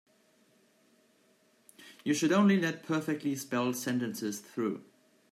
You should only let perfectly spelled sentences through.